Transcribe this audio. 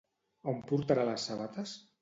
On portarà les sabates?